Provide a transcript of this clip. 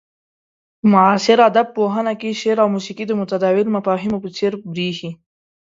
په معاصر ادب پوهنه کې شعر او موسيقي د متداول مفاهيمو په څير بريښي.